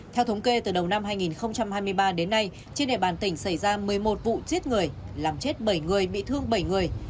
theo thống kê từ đầu năm hai nghìn hai mươi ba đến nay trên địa bàn tỉnh xảy ra một mươi một vụ giết người làm chết bảy người bị thương bảy người